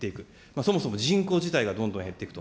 そもそも人口自体がどんどん減っていくと。